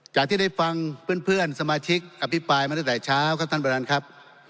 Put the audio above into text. จากที่ได้ฟังเพื่อนสมาชิกอภิปรายมาตั้งแต่เช้าครับท่านประธานครับ